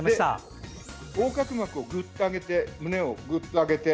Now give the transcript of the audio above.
横隔膜をぐっと上げて胸をぐっと上げて。